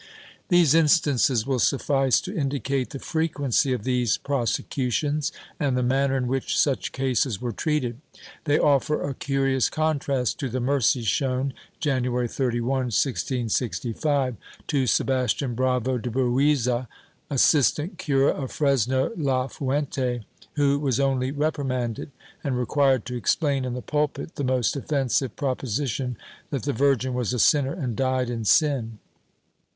These instances will suffice to indicate the frequency of these prosecutions and the manner in which such cases were treated. They offer a curious contrast to the mercy shown, January 31, 1665, to Sebas tian Bravo de Buiza, assistant cura of Fresno la Fuente, who was only reprimanded and required to explain in the pulpit the most offensive proposition that the Virgin was a sinner and died in sin.